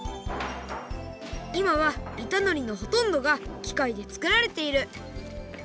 いまはいたのりのほとんどがきかいでつくられている。